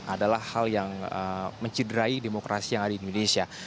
adalah hal yang mencidrai demokrasi yang ada di indonesia